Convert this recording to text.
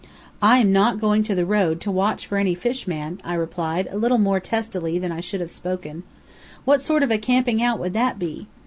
"I'm not going to the road to watch for any fish man," I replied, a little more testily than I should have spoken. "What sort of a camping out would that be?